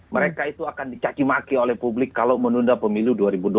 mereka itu akan dicacimaki oleh publik kalau menunda pemilu dua ribu dua puluh